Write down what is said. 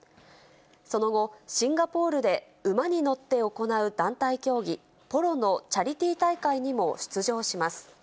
その後、シンガポールで馬に乗って行う団体競技、ポロのチャリティー大会にも出場します。